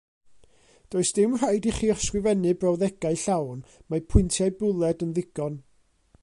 Does dim rhaid i chi ysgrifennu brawddegau llawn, mae pwyntiau bwled yn ddigon.